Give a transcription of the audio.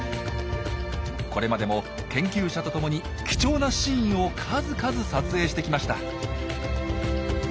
これまでも研究者とともに貴重なシーンを数々撮影してきました。